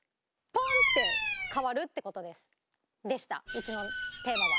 うちのテーマは。